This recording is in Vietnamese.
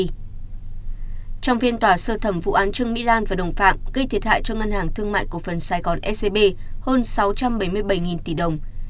trong phiên tòa sơ thẩm vụ án trương mỹ lan và đồng phạm gây thiệt hại cho ngân hàng thương mại cổ phần sài gòn scb hơn sáu trăm bảy mươi bảy tỷ đồng